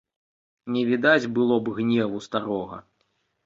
Не відаць было б гневу старога.